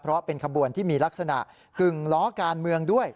เพราะเป็นขบวนที่มีลักษณะกึ่งล้อการเมืองด้วย